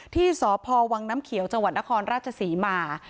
ที่สพวนเขียวจครศมา